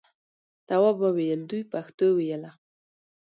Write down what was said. تواب وویل دوی پښتو ویله.